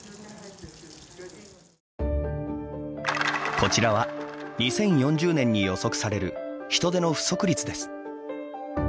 こちらは２０４０年に予測される人手の不足率です。